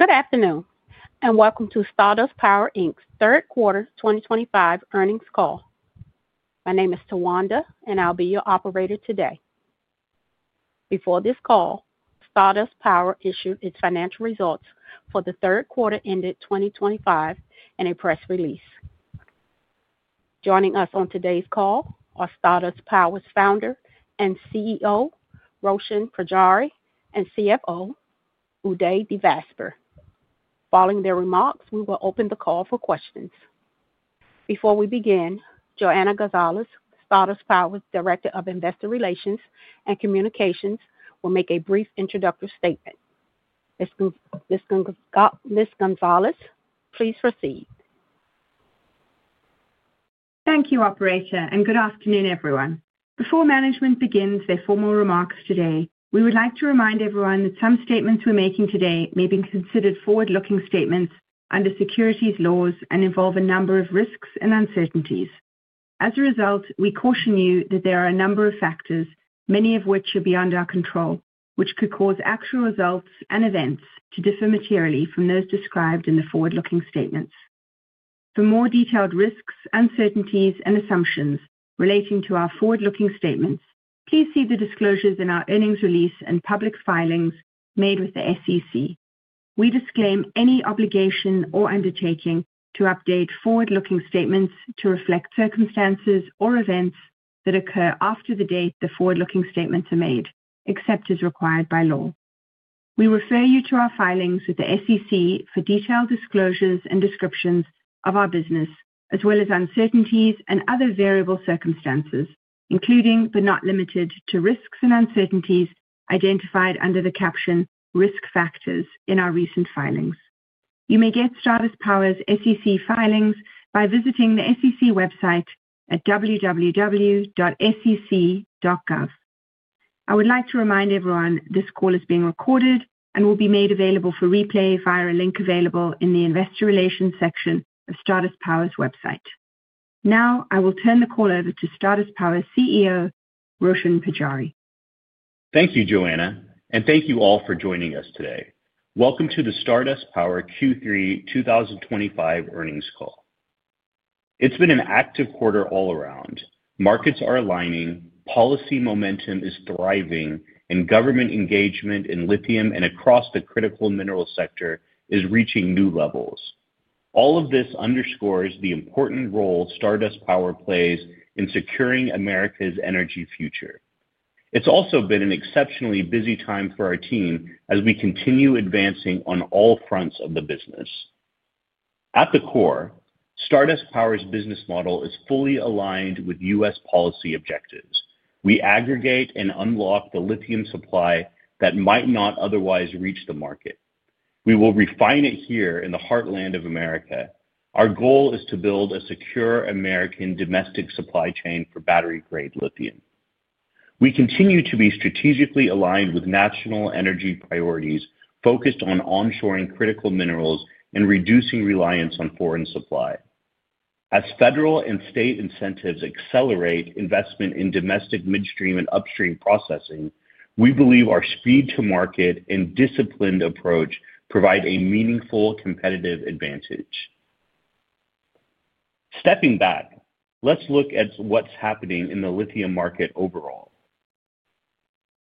Good afternoon, and welcome to Stardust Power's third quarter 2025 earnings call. My name is Tawanda, and I'll be your operator today. Before this call, Stardust Power issued its financial results for the third quarter ended 2025 in a press release. Joining us on today's call are Stardust Power's founder and CEO, Roshan Pujari, and CFO, Uday Devasper. Following their remarks, we will open the call for questions. Before we begin, Johanna Gonzalez, Stardust Power's Director of Investor Relations and Communications, will make a brief introductory statement. Ms. Gonzalez, please proceed. Thank you, Operator, and good afternoon, everyone. Before management begins their formal remarks today, we would like to remind everyone that some statements we're making today may be considered forward-looking statements under securities laws and involve a number of risks and uncertainties. As a result, we caution you that there are a number of factors, many of which are beyond our control, which could cause actual results and events to differ materially from those described in the forward-looking statements. For more detailed risks, uncertainties, and assumptions relating to our forward-looking statements, please see the disclosures in our earnings release and public filings made with the SEC. We disclaim any obligation or undertaking to update forward-looking statements to reflect circumstances or events that occur after the date the forward-looking statements are made, except as required by law. We refer you to our filings with the SEC for detailed disclosures and descriptions of our business, as well as uncertainties and other variable circumstances, including, but not limited to, risks and uncertainties identified under the caption "Risk Factors" in our recent filings. You may get Stardust Power's SEC filings by visiting the SEC website at www.sec.gov. I would like to remind everyone this call is being recorded and will be made available for replay via a link available in the investor relations section of Stardust Power's website. Now, I will turn the call over to Stardust Power's CEO, Roshan Pujari. Thank you, Johanna, and thank you all for joining us today. Welcome to the Stardust Power Q3 2025 earnings call. It's been an active quarter all around. Markets are aligning, policy momentum is thriving, and government engagement in lithium and across the critical mineral sector is reaching new levels. All of this underscores the important role Stardust Power plays in securing America's energy future. It's also been an exceptionally busy time for our team as we continue advancing on all fronts of the business. At the core, Stardust Power's business model is fully aligned with U.S. policy objectives. We aggregate and unlock the lithium supply that might not otherwise reach the market. We will refine it here in the heartland of America. Our goal is to build a secure American domestic supply chain for battery-grade lithium. We continue to be strategically aligned with national energy priorities focused on onshoring critical minerals and reducing reliance on foreign supply. As federal and state incentives accelerate investment in domestic midstream and upstream processing, we believe our speed-to-market and disciplined approach provide a meaningful competitive advantage. Stepping back, let's look at what's happening in the lithium market overall.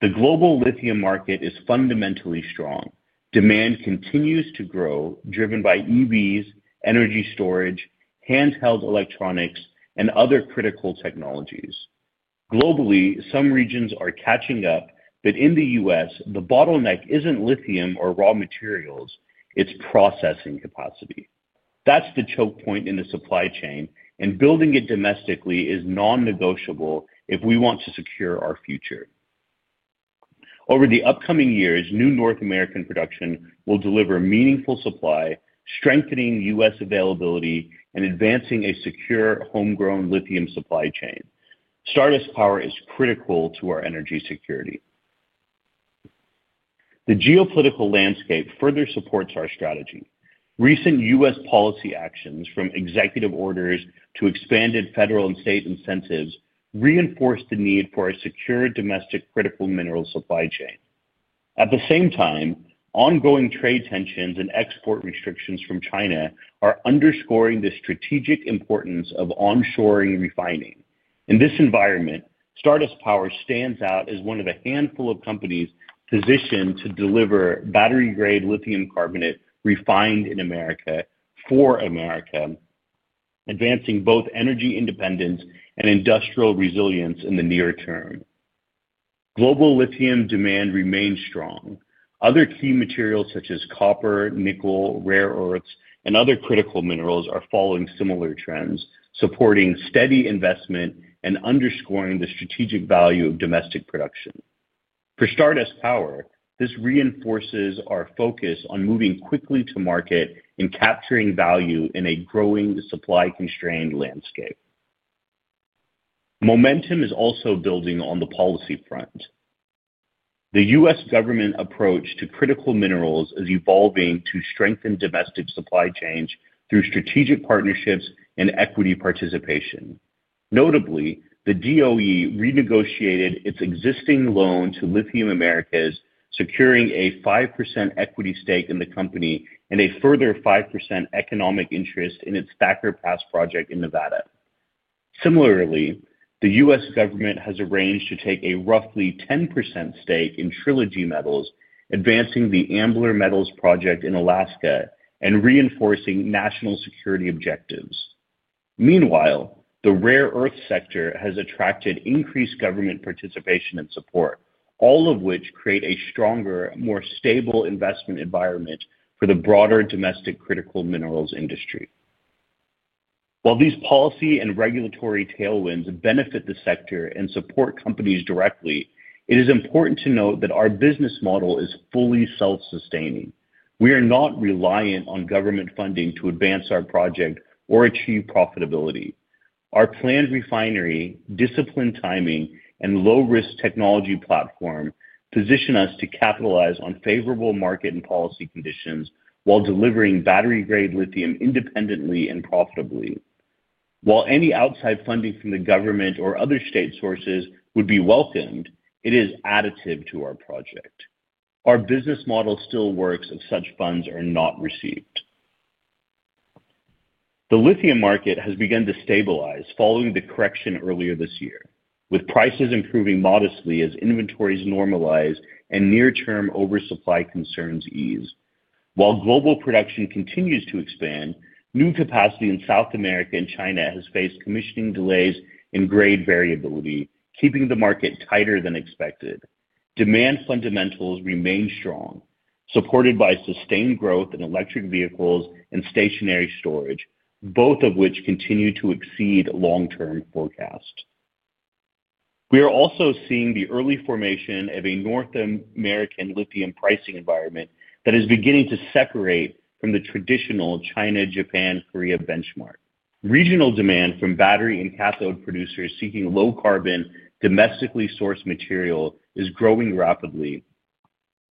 The global lithium market is fundamentally strong. Demand continues to grow, driven by EVs, energy storage, handheld electronics, and other critical technologies. Globally, some regions are catching up, but in the U.S., the bottleneck isn't lithium or raw materials; it's processing capacity. That's the choke point in the supply chain, and building it domestically is non-negotiable if we want to secure our future. Over the upcoming years, new North American production will deliver meaningful supply, strengthening U.S. availability, and advancing a secure homegrown lithium supply chain. Stardust Power is critical to our energy security. The geopolitical landscape further supports our strategy. Recent U.S. policy actions, from executive orders to expanded federal and state incentives, reinforce the need for a secure domestic critical mineral supply chain. At the same time, ongoing trade tensions and export restrictions from China are underscoring the strategic importance of onshoring refining. In this environment, Stardust Power stands out as one of a handful of companies positioned to deliver battery-grade lithium carbonate refined in America for America, advancing both energy independence and industrial resilience in the near term. Global lithium demand remains strong. Other key materials such as copper, nickel, rare earths, and other critical minerals are following similar trends, supporting steady investment and underscoring the strategic value of domestic production. For Stardust Power, this reinforces our focus on moving quickly to market and capturing value in a growing supply-constrained landscape. Momentum is also building on the policy front. The U.S. government approach to critical minerals is evolving to strengthen domestic supply chains through strategic partnerships and equity participation. Notably, the DOE renegotiated its existing loan to Lithium Americas, securing a 5% equity stake in the company and a further 5% economic interest in its Thacker Pass project in Nevada. Similarly, the U.S. government has arranged to take a roughly 10% stake in Trilogy Metals, advancing the Ambler Metals project in Alaska and reinforcing national security objectives. Meanwhile, the rare earth sector has attracted increased government participation and support, all of which create a stronger, more stable investment environment for the broader domestic critical minerals industry. While these policy and regulatory tailwinds benefit the sector and support companies directly, it is important to note that our business model is fully self-sustaining. We are not reliant on government funding to advance our project or achieve profitability. Our planned refinery, disciplined timing, and low-risk technology platform position us to capitalize on favorable market and policy conditions while delivering battery-grade lithium independently and profitably. While any outside funding from the government or other state sources would be welcomed, it is additive to our project. Our business model still works if such funds are not received. The lithium market has begun to stabilize following the correction earlier this year, with prices improving modestly as inventories normalize and near-term oversupply concerns ease. While global production continues to expand, new capacity in South America and China has faced commissioning delays and grade variability, keeping the market tighter than expected. Demand fundamentals remain strong, supported by sustained growth in electric vehicles and stationary storage, both of which continue to exceed long-term forecasts. We are also seeing the early formation of a North American lithium pricing environment that is beginning to separate from the traditional China-Japan-Korea benchmark. Regional demand from battery and cathode producers seeking low-carbon, domestically sourced material is growing rapidly,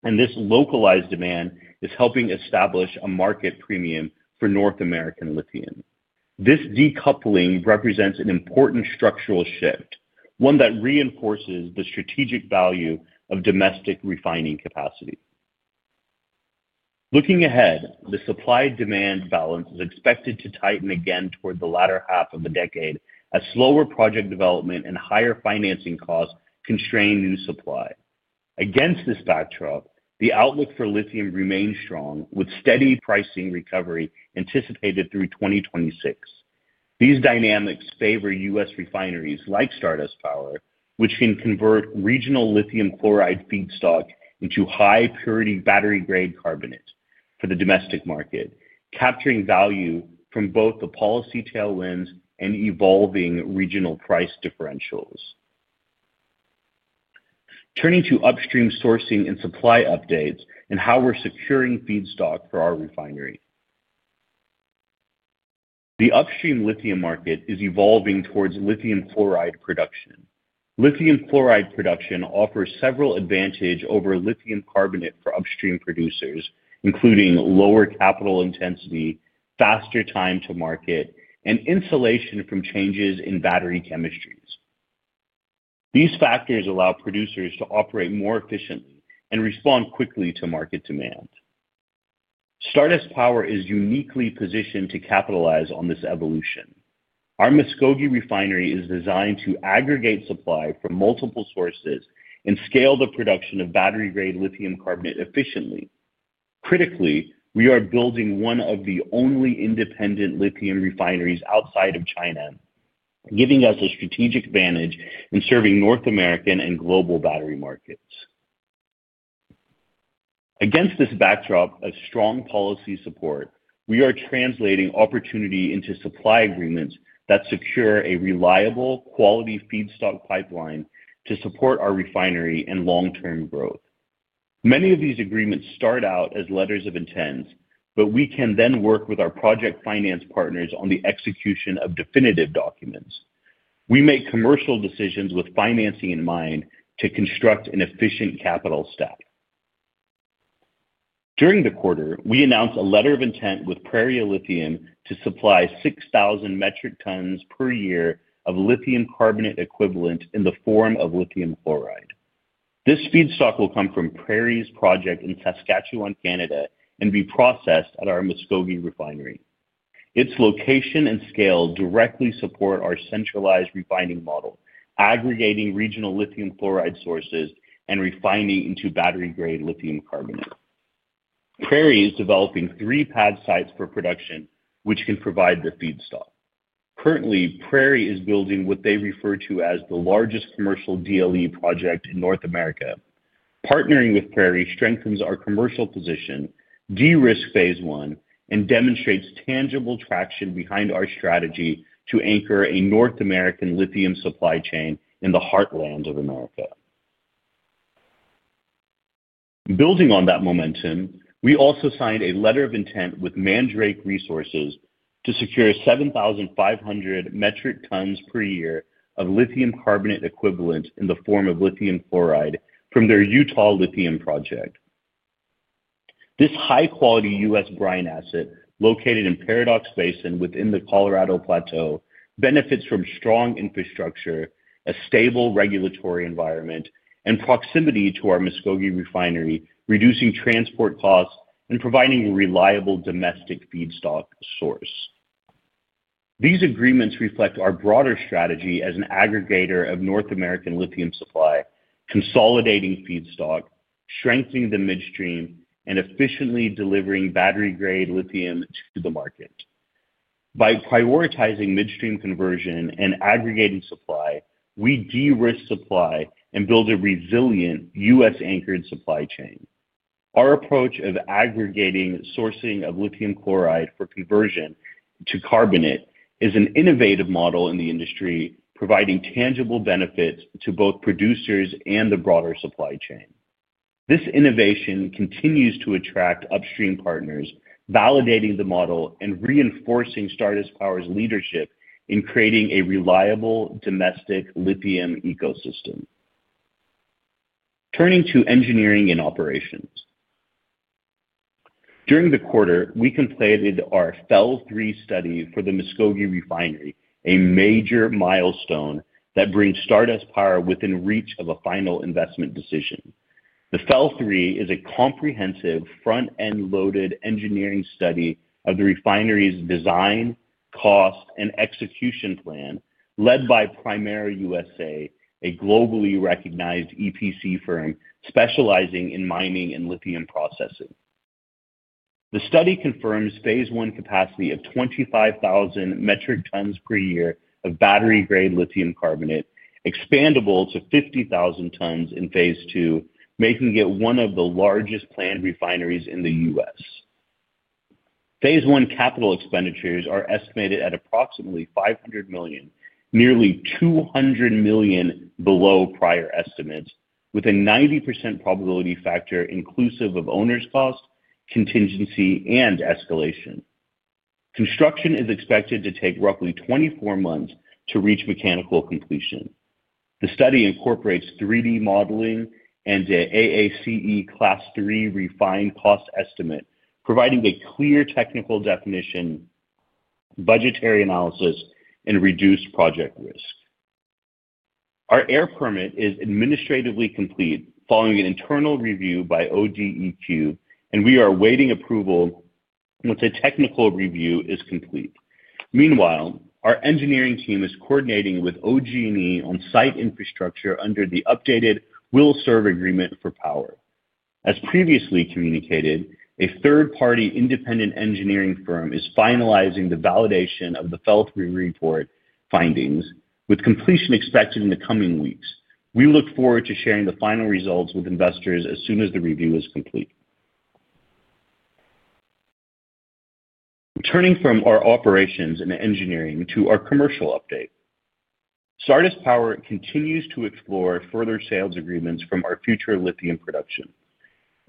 and this localized demand is helping establish a market premium for North American lithium. This decoupling represents an important structural shift, one that reinforces the strategic value of domestic refining capacity. Looking ahead, the supply-demand balance is expected to tighten again toward the latter half of the decade as slower project development and higher financing costs constrain new supply. Against this backdrop, the outlook for lithium remains strong, with steady pricing recovery anticipated through 2026. These dynamics favor U.S. refineries like Stardust Power, which can convert regional lithium chloride feedstock into high-purity battery-grade carbonate for the domestic market, capturing value from both the policy tailwinds and evolving regional price differentials. Turning to upstream sourcing and supply updates and how we're securing feedstock for our refinery. The upstream lithium market is evolving towards lithium chloride production. Lithium chloride production offers several advantages over lithium carbonate for upstream producers, including lower capital intensity, faster time to market, and insulation from changes in battery chemistries. These factors allow producers to operate more efficiently and respond quickly to market demand. Stardust Power is uniquely positioned to capitalize on this evolution. Our Muskogee refinery is designed to aggregate supply from multiple sources and scale the production of battery-grade lithium carbonate efficiently. Critically, we are building one of the only independent lithium refineries outside of China, giving us a strategic advantage in serving North American and global battery markets. Against this backdrop of strong policy support, we are translating opportunity into supply agreements that secure a reliable, quality feedstock pipeline to support our refinery and long-term growth. Many of these agreements start out as letters of intent, but we can then work with our project finance partners on the execution of definitive documents. We make commercial decisions with financing in mind to construct an efficient capital stack. During the quarter, we announced a letter of intent with Prairie Lithium to supply 6,000 metric tons per year of lithium carbonate equivalent in the form of lithium chloride. This feedstock will come from Prairie's project in Saskatchewan, Canada, and be processed at our Muskogee refinery. Its location and scale directly support our centralized refining model, aggregating regional lithium chloride sources and refining into battery-grade lithium carbonate. Prairie is developing three pad sites for production, which can provide the feedstock. Currently, Prairie is building what they refer to as the largest commercial DLE project in North America. Partnering with Prairie strengthens our commercial position, de-risk phase I, and demonstrates tangible traction behind our strategy to anchor a North American lithium supply chain in the heartland of America. Building on that momentum, we also signed a letter of intent with Mandrake Resources to secure 7,500 metric tons per year of lithium carbonate equivalent in the form of lithium chloride from their Utah lithium project. This high-quality U.S. brine asset, located in Paradox Basin within the Colorado Plateau, benefits from strong infrastructure, a stable regulatory environment, and proximity to our Muskogee refinery, reducing transport costs and providing a reliable domestic feedstock source. These agreements reflect our broader strategy as an aggregator of North American lithium supply, consolidating feedstock, strengthening the midstream, and efficiently delivering battery-grade lithium to the market. By prioritizing midstream conversion and aggregating supply, we de-risk supply and build a resilient U.S.-anchored supply chain. Our approach of aggregating sourcing of lithium chloride for conversion to carbonate is an innovative model in the industry, providing tangible benefits to both producers and the broader supply chain. This innovation continues to attract upstream partners, validating the model and reinforcing Stardust Power's leadership in creating a reliable domestic lithium ecosystem. Turning to engineering and operations. During the quarter, we completed our FEL-3 study for the Muskogee refinery, a major milestone that brings Stardust Power within reach of a final investment decision. The FEL-3 is a comprehensive front-end-loaded engineering study of the refinery's design, cost, and execution plan, led by Primera USA, a globally recognized EPC firm specializing in mining and lithium processing. The study confirms phase I capacity of 25,000 metric tons per year of battery-grade lithium carbonate, expandable to 50,000 tons in phase II, making it one of the largest planned refineries in the U.S. Phase I capital expenditures are estimated at approximately $500 million, nearly $200 million below prior estimates, with a 90% probability factor inclusive of owner's cost, contingency, and escalation. Construction is expected to take roughly 24 months to reach mechanical completion. The study incorporates 3D modeling and an AACE Class III refined cost estimate, providing a clear technical definition, budgetary analysis, and reduced project risk. Our air permit is administratively complete following an internal review by ODEQ, and we are awaiting approval once a technical review is complete. Meanwhile, our engineering team is coordinating with OG&E on site infrastructure under the updated Will Serve Agreement for Power. As previously communicated, a third-party independent engineering firm is finalizing the validation of the FEL-3 report findings, with completion expected in the coming weeks. We look forward to sharing the final results with investors as soon as the review is complete. Turning from our operations and engineering to our commercial update, Stardust Power continues to explore further sales agreements from our future lithium production.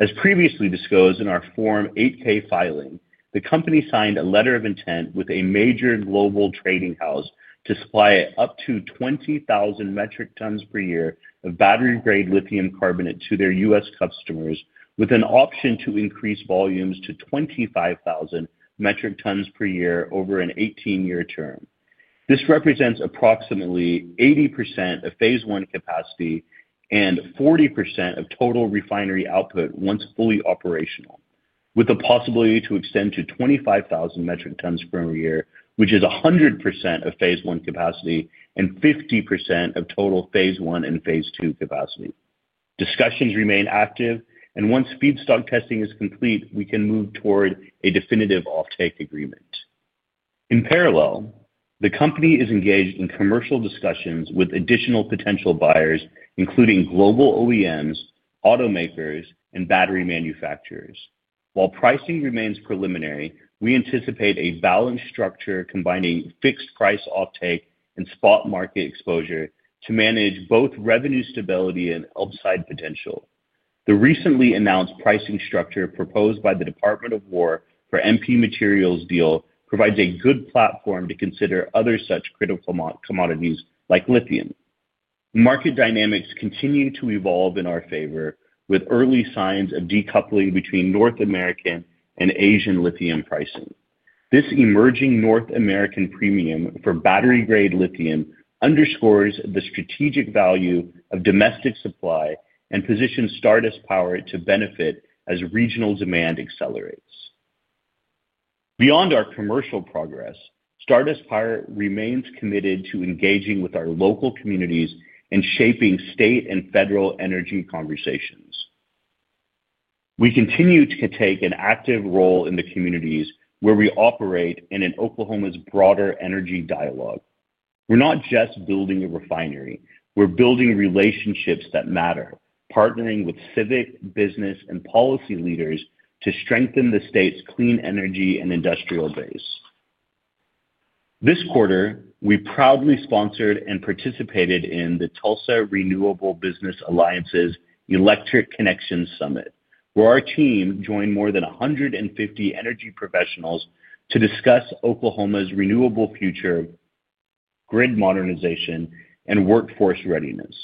As previously disclosed in our Form 8-K filing, the company signed a letter of intent with a major global trading house to supply up to 20,000 metric tons per year of battery-grade lithium carbonate to their U.S. customers, with an option to increase volumes to 25,000 metric tons per year over an 18-year term. This represents approximately 80% of phase I capacity and 40% of total refinery output once fully operational, with the possibility to extend to 25,000 metric tons per year, which is 100% of phase I capacity and 50% of total phase I and phase II capacity. Discussions remain active, and once feedstock testing is complete, we can move toward a definitive offtake agreement. In parallel, the company is engaged in commercial discussions with additional potential buyers, including global OEMs, automakers, and battery manufacturers. While pricing remains preliminary, we anticipate a balanced structure combining fixed price offtake and spot market exposure to manage both revenue stability and upside potential. The recently announced pricing structure proposed by the Department of Defense for the MP Materials deal provides a good platform to consider other such critical commodities like lithium. Market dynamics continue to evolve in our favor, with early signs of decoupling between North American and Asian lithium pricing. This emerging North American premium for battery-grade lithium underscores the strategic value of domestic supply and positions Stardust Power to benefit as regional demand accelerates. Beyond our commercial progress, Stardust Power remains committed to engaging with our local communities and shaping state and federal energy conversations. We continue to take an active role in the communities where we operate and in Oklahoma's broader energy dialogue. We're not just building a refinery, we're building relationships that matter, partnering with civic, business, and policy leaders to strengthen the state's clean energy and industrial base. This quarter, we proudly sponsored and participated in the Tulsa Renewable Business Alliance's Electric Connections Summit, where our team joined more than 150 energy professionals to discuss Oklahoma's renewable future, grid modernization, and workforce readiness.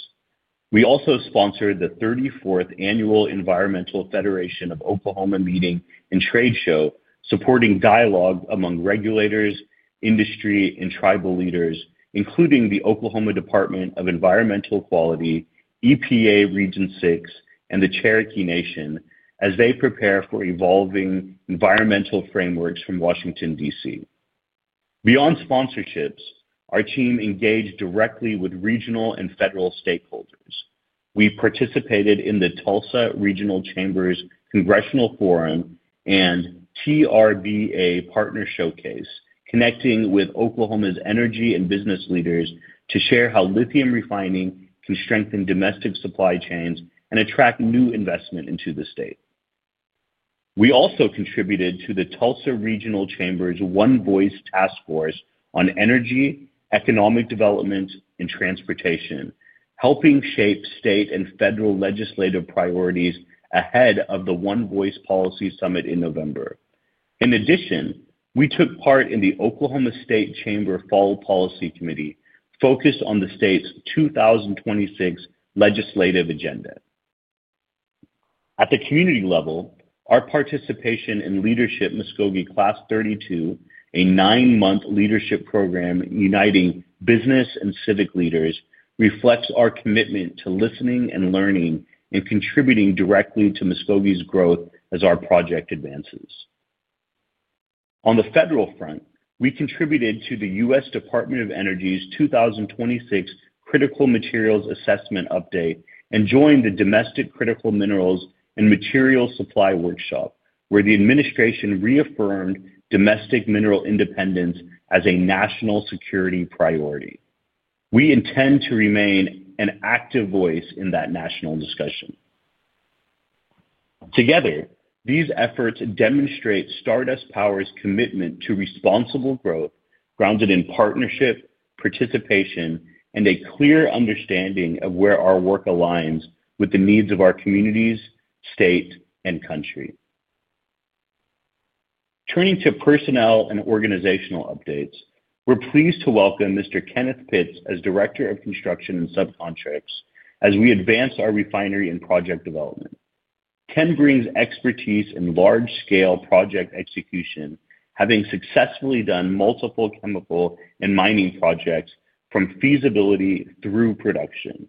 We also sponsored the 34th Annual Environmental Federation of Oklahoma Meeting and Trade Show, supporting dialogue among regulators, industry, and tribal leaders, including the Oklahoma Department of Environmental Quality, EPA Region 6, and the Cherokee Nation, as they prepare for evolving environmental frameworks from Washington, D.C. Beyond sponsorships, our team engaged directly with regional and federal stakeholders. We participated in the Tulsa Regional Chamber's Congressional Forum and TRBA Partner Showcase, connecting with Oklahoma's energy and business leaders to share how lithium refining can strengthen domestic supply chains and attract new investment into the state. We also contributed to the Tulsa Regional Chamber's One Voice Task Force on energy, economic development, and transportation, helping shape state and federal legislative priorities ahead of the One Voice Policy Summit in November. In addition, we took part in the Oklahoma State Chamber Fall Policy Committee, focused on the state's 2026 legislative agenda. At the community level, our participation in Leadership Muskogee Class 32, a nine-month leadership program uniting business and civic leaders, reflects our commitment to listening and learning and contributing directly to Muskogee's growth as our project advances. On the federal front, we contributed to the U.S. Department of Energy's 2026 critical materials assessment update and joined the Domestic Critical Minerals and Materials Supply Workshop, where the administration reaffirmed domestic mineral independence as a national security priority. We intend to remain an active voice in that national discussion. Together, these efforts demonstrate Stardust Power's commitment to responsible growth grounded in partnership, participation, and a clear understanding of where our work aligns with the needs of our communities, state, and country. Turning to personnel and organizational updates, we're pleased to welcome Mr. Kenneth Pitts as Director of Construction and Subcontracts as we advance our refinery and project development. Ken brings expertise in large-scale project execution, having successfully done multiple chemical and mining projects from feasibility through production.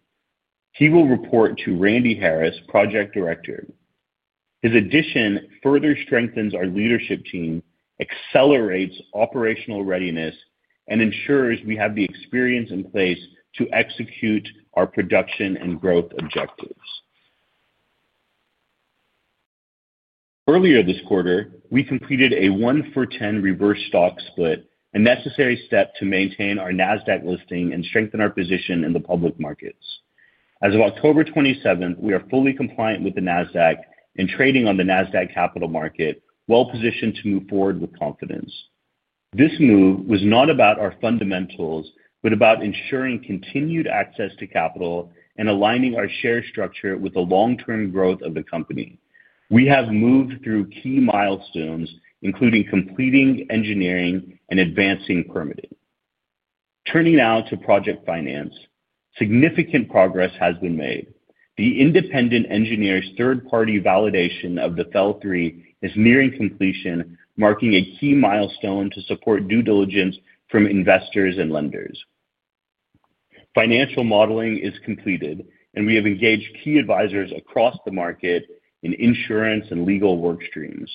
He will report to Randy Harris, Project Director. His addition further strengthens our leadership team, accelerates operational readiness, and ensures we have the experience in place to execute our production and growth objectives. Earlier this quarter, we completed a 1-for-10 reverse stock split, a necessary step to maintain our NASDAQ listing and strengthen our position in the public markets. As of October 27, we are fully compliant with the NASDAQ and trading on the NASDAQ Capital Market, well-positioned to move forward with confidence. This move was not about our fundamentals, but about ensuring continued access to capital and aligning our share structure with the long-term growth of the company. We have moved through key milestones, including completing engineering and advancing permitting. Turning now to project finance, significant progress has been made. The independent engineer's third-party validation of the FEL-3 is nearing completion, marking a key milestone to support due diligence from investors and lenders. Financial modeling is completed, and we have engaged key advisors across the market in insurance and legal workstreams.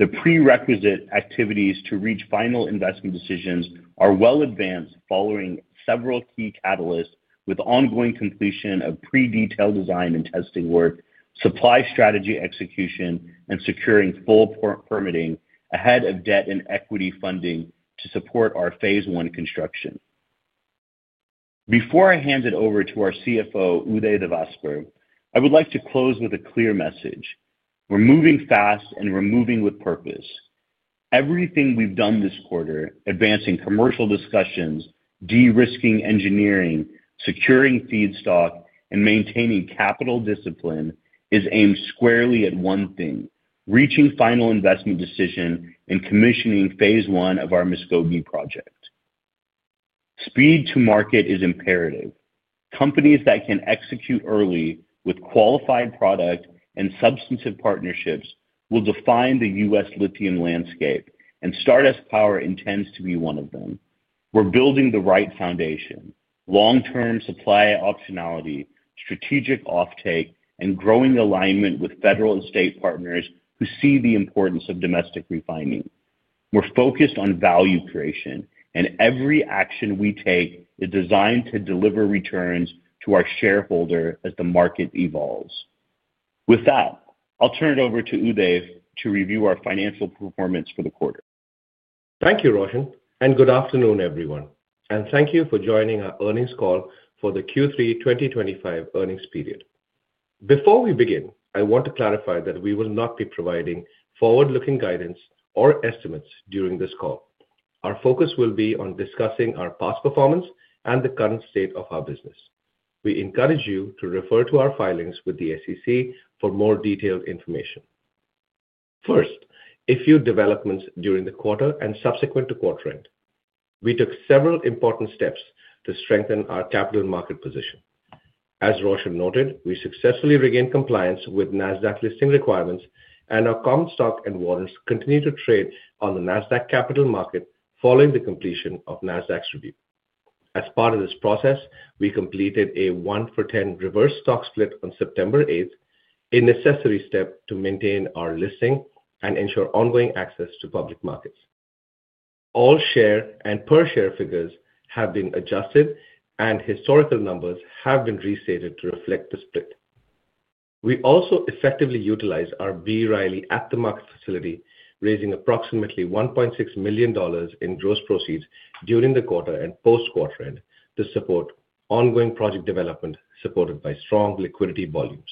The prerequisite activities to reach final investment decisions are well-advanced following several key catalysts, with ongoing completion of pre-detailed design and testing work, supply strategy execution, and securing full permitting ahead of debt and equity funding to support our phase I construction. Before I hand it over to our CFO, Uday Devasper, I would like to close with a clear message: we're moving fast and we're moving with purpose. Everything we've done this quarter, advancing commercial discussions, de-risking engineering, securing feedstock, and maintaining capital discipline, is aimed squarely at one thing: reaching final investment decision and commissioning phase I of our Muskogee project. Speed to market is imperative. Companies that can execute early with qualified product and substantive partnerships will define the U.S. lithium landscape, and Stardust Power intends to be one of them. We're building the right foundation: long-term supply optionality, strategic offtake, and growing alignment with federal and state partners who see the importance of domestic refining. We're focused on value creation, and every action we take is designed to deliver returns to our shareholder as the market evolves. With that, I'll turn it over to Uday to review our financial performance for the quarter. Thank you, Roshan, and good afternoon, everyone. Thank you for joining our earnings call for the Q3 2025 earnings period. Before we begin, I want to clarify that we will not be providing forward-looking guidance or estimates during this call. Our focus will be on discussing our past performance and the current state of our business. We encourage you to refer to our filings with the SEC for more detailed information. First, a few developments during the quarter and subsequent to quarter end. We took several important steps to strengthen our capital market position. As Roshan noted, we successfully regained compliance with NASDAQ listing requirements, and our common stock and warrants continue to trade on the NASDAQ capital market following the completion of NASDAQ's review. As part of this process, we completed a 1-for-10 reverse stock split on September 8, a necessary step to maintain our listing and ensure ongoing access to public markets. All share and per share figures have been adjusted, and historical numbers have been restated to reflect the split. We also effectively utilized our B. Riley at the market facility, raising approximately $1.6 million in gross proceeds during the quarter and post-quarter end to support ongoing project development supported by strong liquidity volumes.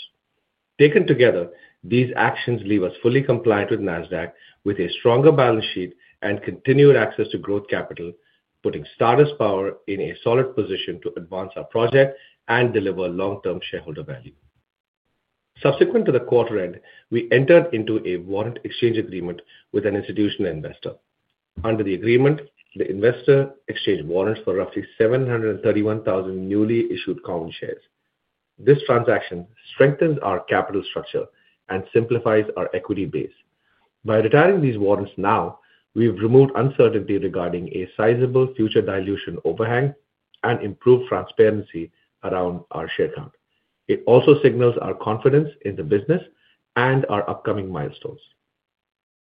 Taken together, these actions leave us fully compliant with NASDAQ, with a stronger balance sheet and continued access to growth capital, putting Stardust Power in a solid position to advance our project and deliver long-term shareholder value. Subsequent to the quarter end, we entered into a warrant exchange agreement with an institutional investor. Under the agreement, the investor exchanged warrants for roughly 731,000 newly issued common shares. This transaction strengthens our capital structure and simplifies our equity base. By retiring these warrants now, we've removed uncertainty regarding a sizable future dilution overhang and improved transparency around our share count. It also signals our confidence in the business and our upcoming milestones.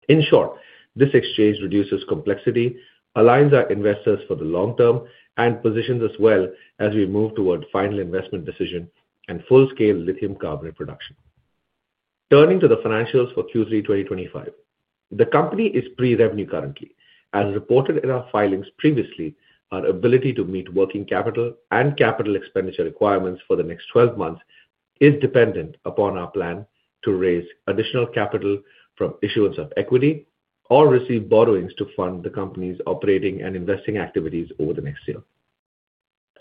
In short, this exchange reduces complexity, aligns our investors for the long term, and positions us well as we move toward final investment decision and full-scale lithium carbonate production. Turning to the financials for Q3 2025, the company is pre-revenue currently. As reported in our filings previously, our ability to meet working capital and capital expenditure requirements for the next 12 months is dependent upon our plan to raise additional capital from issuance of equity or receive borrowings to fund the company's operating and investing activities over the next year.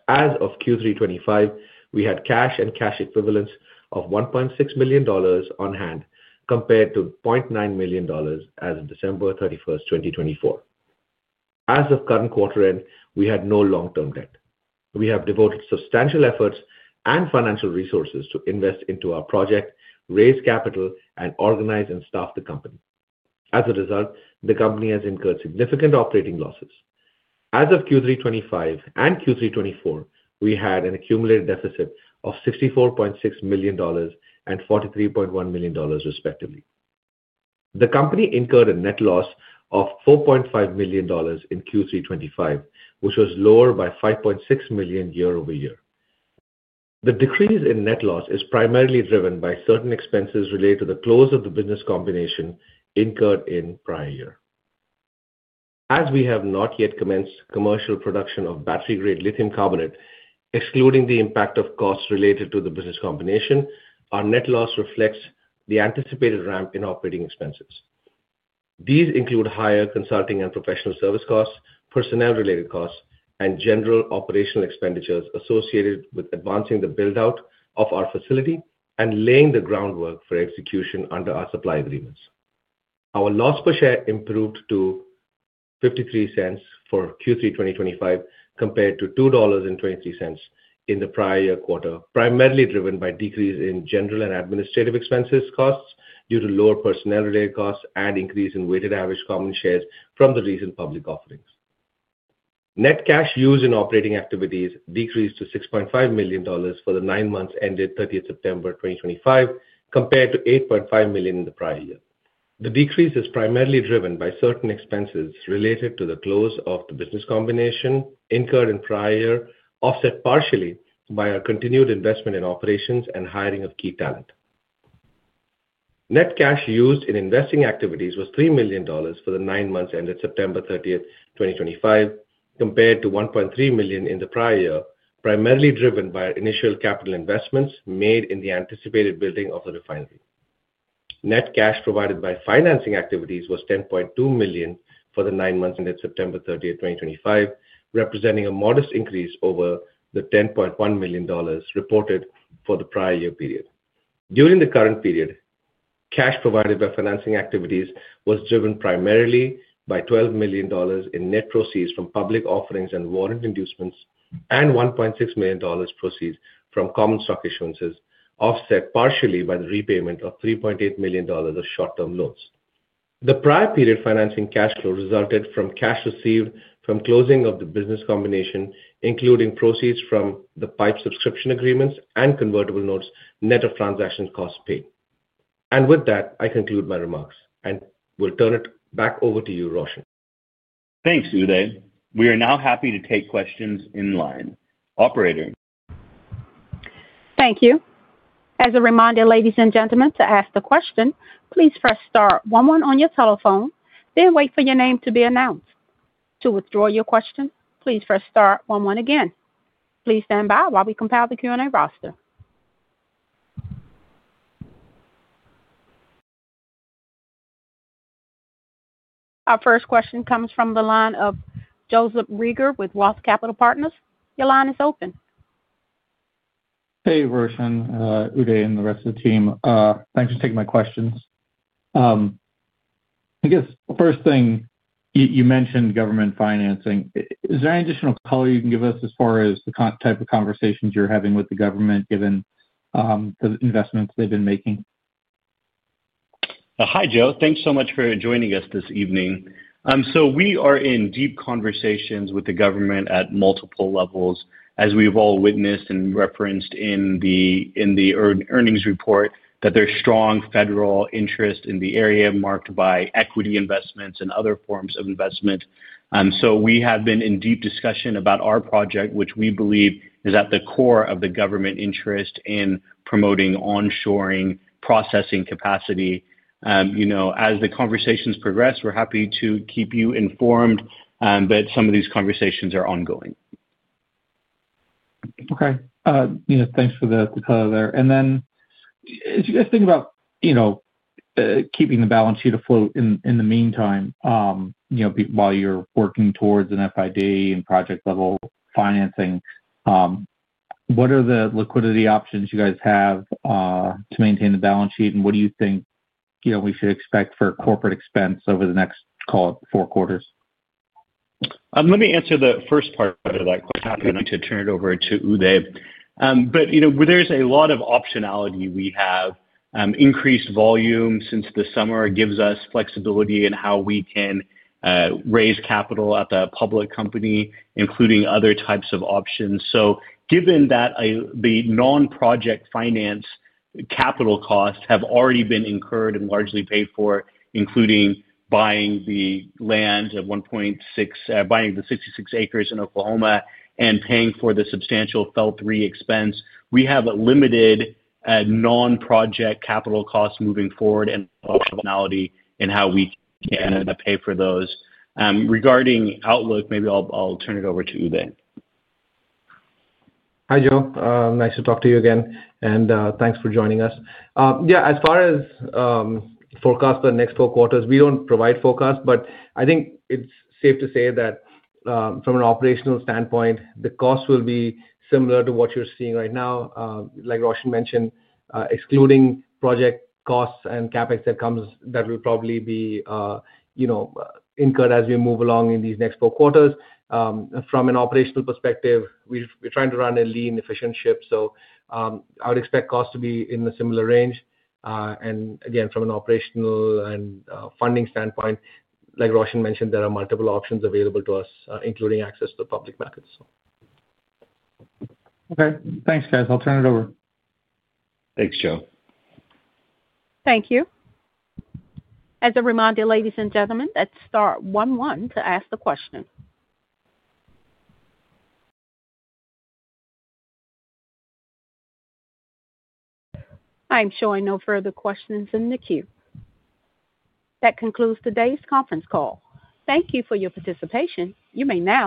As of Q3 2025, we had cash and cash equivalents of $1.6 million on hand compared to $0.9 million as of December 31, 2024. As of current quarter end, we had no long-term debt. We have devoted substantial efforts and financial resources to invest into our project, raise capital, and organize and staff the company. As a result, the company has incurred significant operating losses. As of Q3 2025 and Q3 2024, we had an accumulated deficit of $64.6 million and $43.1 million, respectively. The company incurred a net loss of $4.5 million in Q3 2025, which was lower by $5.6 million year-over-year. The decrease in net loss is primarily driven by certain expenses related to the close of the business combination incurred in prior year. As we have not yet commenced commercial production of battery-grade lithium carbonate, excluding the impact of costs related to the business combination, our net loss reflects the anticipated ramp in operating expenses. These include higher consulting and professional service costs, personnel-related costs, and general operational expenditures associated with advancing the build-out of our facility and laying the groundwork for execution under our supply agreements. Our loss per share improved to $0.53 for Q3 2025 compared to $2.23 in the prior year quarter, primarily driven by decrease in general and administrative expenses costs due to lower personnel-related costs and increase in weighted average common shares from the recent public offerings. Net cash used in operating activities decreased to $6.5 million for the nine months ended 30 September 2025, compared to $8.5 million in the prior year. The decrease is primarily driven by certain expenses related to the close of the business combination incurred in prior year, offset partially by our continued investment in operations and hiring of key talent. Net cash used in investing activities was $3 million for the nine months ended September 30, 2025, compared to $1.3 million in the prior year, primarily driven by initial capital investments made in the anticipated building of the refinery. Net cash provided by financing activities was $10.2 million for the nine months ended September 30, 2025, representing a modest increase over the $10.1 million reported for the prior year period. During the current period, cash provided by financing activities was driven primarily by $12 million in net proceeds from public offerings and warrant inducements, and $1.6 million proceeds from common stock issuances, offset partially by the repayment of $3.8 million of short-term loans. The prior period financing cash flow resulted from cash received from closing of the business combination, including proceeds from the pipe subscription agreements and convertible notes net of transaction costs paid. With that, I conclude my remarks and will turn it back over to you, Roshan. Thanks, Uday. We are now happy to take questions in line. Operator. Thank you. As a reminder, ladies and gentlemen, to ask the question, please press star one one on your telephone, then wait for your name to be announced. To withdraw your question, please press star one one again. Please stand by while we compile the Q&A roster. Our first question comes from the line of Joseph Reagor with Roth Capital Partners. Your line is open. Hey, Roshan, Uday, and the rest of the team. Thanks for taking my questions. I guess the first thing, you mentioned government financing. Is there any additional color you can give us as far as the type of conversations you're having with the government given the investments they've been making? Hi, Joe. Thanks so much for joining us this evening. We are in deep conversations with the government at multiple levels, as we've all witnessed and referenced in the earnings report, that there's strong federal interest in the area marked by equity investments and other forms of investment. We have been in deep discussion about our project, which we believe is at the core of the government interest in promoting onshoring processing capacity. As the conversations progress, we're happy to keep you informed that some of these conversations are ongoing. Okay. Thanks for the color there. If you guys think about keeping the balance sheet afloat in the meantime while you're working towards an FID and project-level financing, what are the liquidity options you guys have to maintain the balance sheet, and what do you think we should expect for corporate expense over the next, call it, four quarters? Let me answer the first part of that question. I'm going to turn it over to Uday. There is a lot of optionality we have. Increased volume since the summer gives us flexibility in how we can raise capital at the public company, including other types of options. Given that the non-project finance capital costs have already been incurred and largely paid for, including buying the land of $1.6 million, buying the 66 acres in Oklahoma and paying for the substantial FEL-3 expense, we have limited non-project capital costs moving forward and optionality in how we can pay for those. Regarding outlook, maybe I'll turn it over to Uday. Hi, Joe. Nice to talk to you again, and thanks for joining us. Yeah, as far as forecast for the next four quarters, we don't provide forecasts, but I think it's safe to say that from an operational standpoint, the cost will be similar to what you're seeing right now. Like Roshan mentioned, excluding project costs and CapEx that will probably be incurred as we move along in these next four quarters. From an operational perspective, we're trying to run a lean, efficient ship, so I would expect costs to be in a similar range. Again, from an operational and funding standpoint, like Roshan mentioned, there are multiple options available to us, including access to the public markets. Okay. Thanks, guys. I'll turn it over. Thanks, Joe. Thank you. As a reminder, ladies and gentlemen, let's press 11 to ask the question. I'm showing no further questions in the queue. That concludes today's conference call. Thank you for your participation. You may now disconnect.